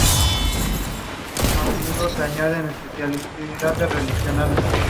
En un principio, Los Jaivas no toman demasiado en serio la idea.